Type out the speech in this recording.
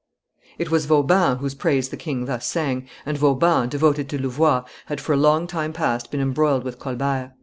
It was Vauban whose praise the king thus sang, and Vauban, devoted to Louvois, had for a long time past been embroiled with Colbert.